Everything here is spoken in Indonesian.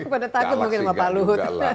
pada takut mungkin sama pak luhut